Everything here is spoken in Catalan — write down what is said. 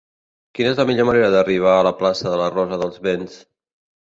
Quina és la millor manera d'arribar a la plaça de la Rosa dels Vents?